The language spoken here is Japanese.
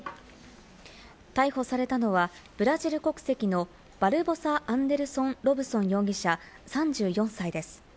逮捕されたのはブラジル国籍のバルボサ・アンデルソン・ロブソン容疑者３４歳です。